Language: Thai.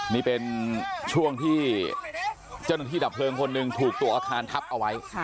นี่เป็นช่วงที่เจ้าหน้าที่ดับเพลิงคนหนึ่งถูกตัวอาคารทับเอาไว้